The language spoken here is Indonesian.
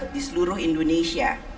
di seluruh indonesia